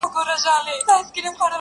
مینه چي مو وڅاڅي له ټولو اندامو.